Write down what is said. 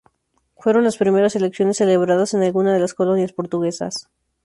Fueron las primeras elecciones celebradas en alguna de las colonias portuguesas.